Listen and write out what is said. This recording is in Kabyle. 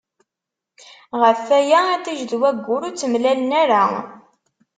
Ɣef waya itij d waggur ur ttemlalen ara.